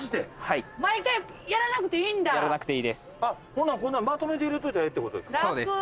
ほなまとめて入れといたらええってことですか。